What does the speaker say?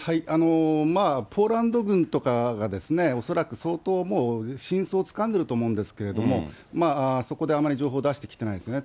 ポーランド軍とかが、恐らく相当真相をつかんでると思うんですけど、そこであまり情報を出してきてないですね。